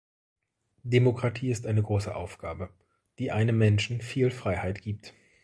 Demokratie ist eine große Aufgabe, die einem Menschen viel Freiheit gibt.